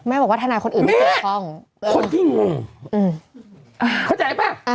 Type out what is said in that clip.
แม่บอกว่าทนายคนอื่นแม่คนที่งงอืมอ่าเข้าใจปะอ่า